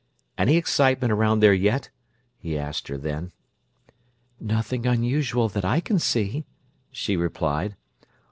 "Any excitement around there yet?" he asked her then. "Nothing unusual that I can see," she replied.